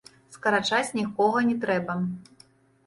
Скарачаць нікога не трэба.